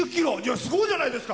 すごいじゃないですか！